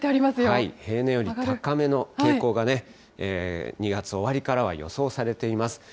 平年より高めの傾向がね、２月終わりからは予想されています。